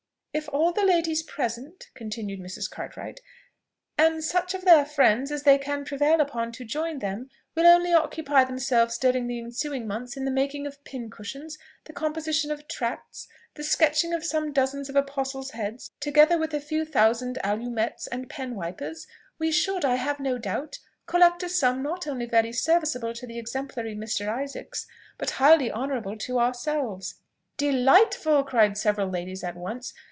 "If all the ladies present," continued Mrs. Cartwright, "and such of their friends as they can prevail upon to join them, will only occupy themselves during the ensuing month in the making of pincushions, the composition of tracts, the sketching some dozens of Apostles' heads, together with a few thousand allumettes and pen wipers, we should, I have no doubt, collect a sum not only very serviceable to the exemplary Mr. Isaacs, but highly honourable to ourselves." "Delightful!" cried several ladies at once.